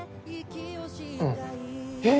うん。えっ？